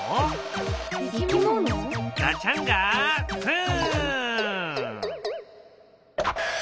ガチャンガフン！